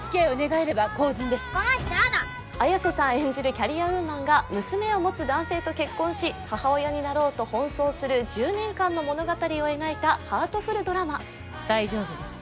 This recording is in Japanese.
キャリアウーマンが娘を持つ男性と結婚し母親になろうと奔走する１０年間の物語を描いたハートフルドラマ大丈夫です